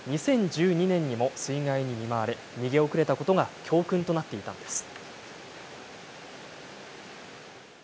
２０１２年にも水害に見舞われ逃げ遅れたことが教訓となっていたのです。